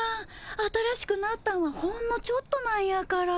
新しくなったんはほんのちょっとなんやから。